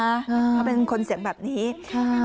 เขาเป็นคนเสียงแบบนี้ค่ะ